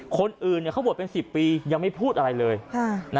คนอื่นเนี้ยเขาบวชเป็นสิบปียังไม่พูดอะไรเลยฮ่า